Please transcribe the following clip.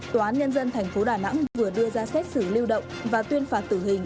tòa án nhân dân tp đà nẵng vừa đưa ra xét xử lưu động và tuyên phạt tử hình